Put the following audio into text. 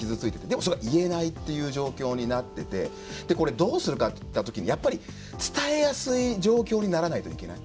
でもそれは言えないっていう状況になっててこれどうするかっていった時にやっぱり伝えやすい状況にならないといけない。